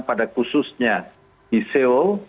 pada khususnya di seoul